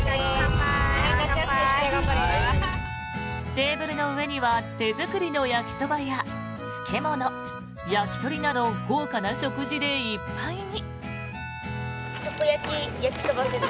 テーブルの上には手作りの焼きそばや漬物、焼き鳥など豪華な食事でいっぱいに。